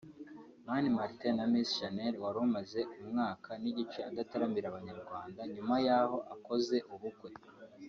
Mani Martin na Miss Shanel wari umaze umwaka n’igice adataramira abanyarwanda nyuma y’aho akoze ubukwe